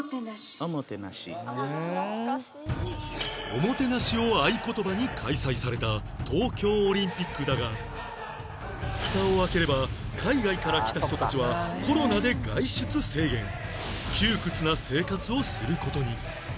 「おもてなし」を合言葉に開催された東京オリンピックだがふたを開ければ海外から来た人たちは窮屈な生活をする事に